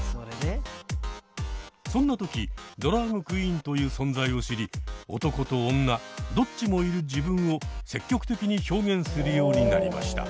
そんな時ドラァグクイーンという存在を知り男と女どっちもいる自分を積極的に表現するようになりました。